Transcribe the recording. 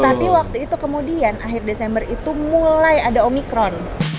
tapi waktu itu kemudian akhir desember itu mulai ada omikron